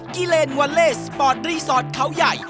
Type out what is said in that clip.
กิเลนวาเลสปอร์ตรีสอร์ทเขาใหญ่